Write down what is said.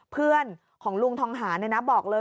เพื่อนของลุงทองหารเนี่ยนะบอกเลย